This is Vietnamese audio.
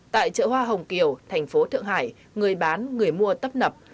tại chợ hoa hồng kiều thành phố thượng hải người bán người mua tấp nập